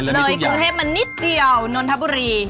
ก็คือโดยกรุงเทพฯมันนิดเดียวนนทบุรี